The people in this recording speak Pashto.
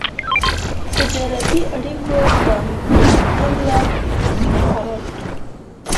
تجارتي اړیکو په پلمه مقرر کړ.